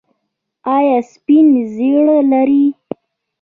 ایا سپین زیړی لرئ؟